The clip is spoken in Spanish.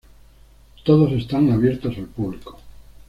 Todos están abiertos al público.